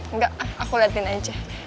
enggak aku liatin aja